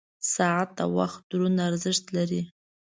• ساعت د وخت دروند ارزښت لري.